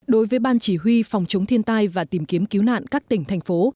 đối với ban chỉ huy phòng chống thiên tai và tìm kiếm cứu nạn các tỉnh thành phố